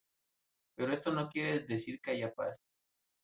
Pero esto no quiere decir que hay paz.